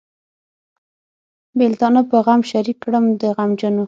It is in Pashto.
بېلتانه په غم شریک کړم د غمجنو.